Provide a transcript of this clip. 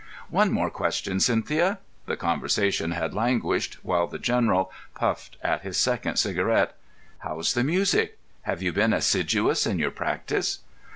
"One more question, Cynthia." The conversation had languished while the General puffed at his second cigarette. "How's the music? Have you been assiduous in your practice?"